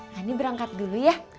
kani berangkat dulu ya